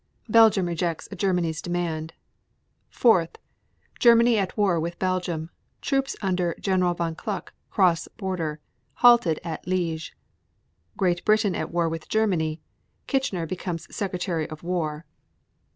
3. Belgium rejects Germany's demand. 4. Germany at war with Belgium. Troops under Gen. Von Kluck cross border. Halted at Liege. 4. Great Britain at war with Germany. Kitchener becomes Secretary of War.